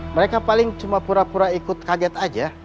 mereka paling cuma pura pura ikut kaget aja